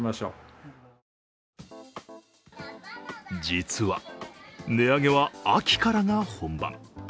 実は値上げは秋からが本番。